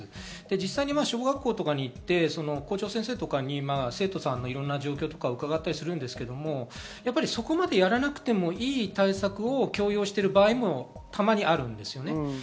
実際に小学校とかに行って校長先生に生徒さんのいろんな状況を伺ったりするんですが、そこまでやらなくてもいい対策を強要している場合もたまにあるんですよね。